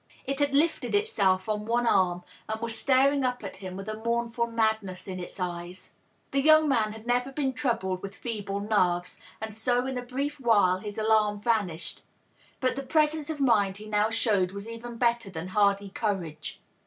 It had lifted itself on one arm and was staring up at him with a mournful madness in its eyes. The young man had never been troubled with feeble nerves, and so, in a brief while, his alarm vanished. But the presence of mind he now showed was even better than hardy courage.